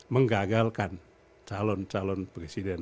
menggagalkan calon calon presiden